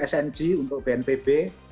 sng untuk bnpb